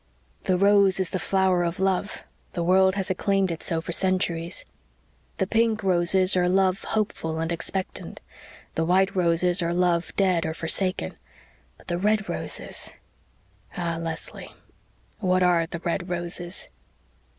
"The rose is the flower of love the world has acclaimed it so for centuries. The pink roses are love hopeful and expectant the white roses are love dead or forsaken but the red roses ah, Leslie, what are the red roses?"